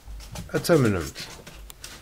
Ad tt-amnent?